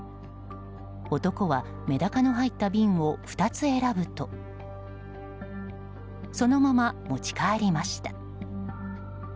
男は、メダカの入った瓶を２つ選ぶとそのまま持ち帰りました。